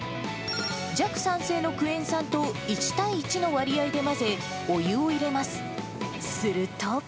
弱酸性のクエン酸と１対１の割合で混ぜ、お湯を入れます。